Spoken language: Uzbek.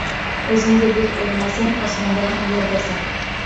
O‘zingga bek o‘lmasang, osmonda ham yerdirsan.